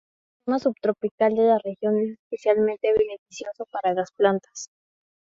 El clima subtropical de la región es especialmente beneficioso para las plantas.